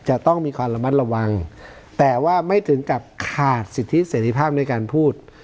จะต้องมีความระมัดระวังแต่ว่าไม่ถึงกับขาดสิทธิเสร็จภาพในการพูด